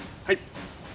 はい。